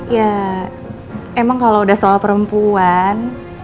ya emang kalau udah soal perempuan